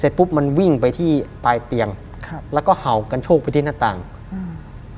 ปุ๊บมันวิ่งไปที่ปลายเตียงครับแล้วก็เห่ากันโชคไปที่หน้าต่างอืม